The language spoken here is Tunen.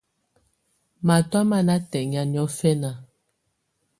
Matɔ̀á má ná tɛŋɛ̀á niɔfɛna.